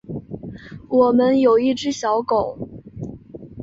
我们有一只小狗